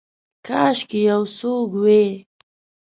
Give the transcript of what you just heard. کاشکي یو څوک وی